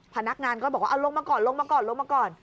พนักงานก็บอกว่าลงมาก่อน